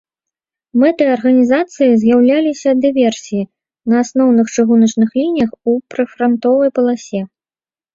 Мэтай арганізацыі з'яўляліся дыверсіі на асноўных чыгуначных лініях ў прыфрантавой паласе.